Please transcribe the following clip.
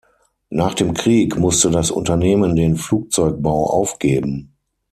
Nach dem Krieg musste das Unternehmen den Flugzeugbau aufgeben.